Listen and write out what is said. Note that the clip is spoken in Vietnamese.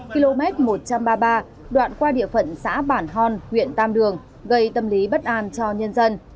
km một trăm ba mươi ba đoạn qua địa phận xã bản hòn huyện tam đường gây tâm lý bất an cho nhân dân